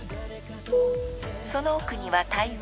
［その奥には台湾］